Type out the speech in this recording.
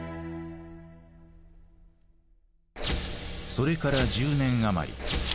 それから１０年余り。